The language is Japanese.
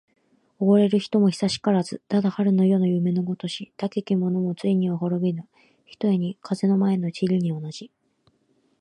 おごれる人も久しからず。ただ春の夜の夢のごとし。たけき者もついには滅びぬ、ひとえに風の前の塵に同じ。